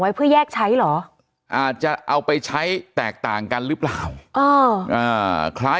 เพื่อแยกใช้เหรออาจจะเอาไปใช้แตกต่างกันหรือเปล่าคล้าย